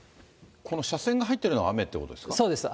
この斜線が入ってるのが雨ってことですか。